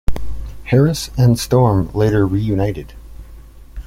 Harris and Storm later reunited.